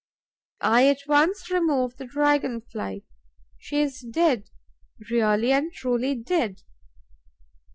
I at once remove the Dragon fly. She is dead, really and truly dead.